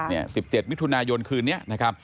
๑๗วิทยุนายนคืนนี้